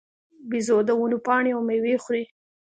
بیزو د ونو پاڼې او مېوې خوري.